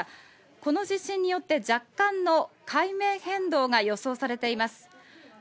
この地震によって若干の海面変動が予想されています。